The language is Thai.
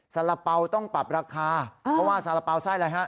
สาระเป๋าต้องปรับราคาเพราะว่าสาระเป๋าไส้อะไรฮะ